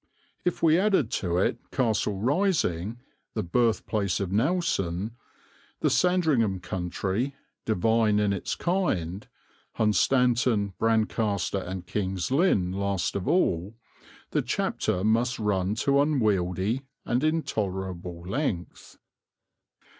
If we added to it Castle Rising, the birthplace of Nelson, the Sandringham country, divine in its kind, Hunstanton, Brancaster, and King's Lynn last of all, the chapter must run to unwieldly and intolerable length.